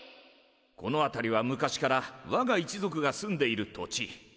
この辺りは昔からわが一族が住んでいる土地。